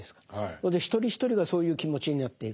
それで一人一人がそういう気持ちになっていく。